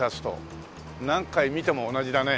何回見ても同じだね。